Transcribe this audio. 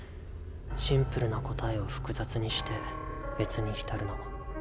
シンプルな答えを複雑にして悦に浸るの。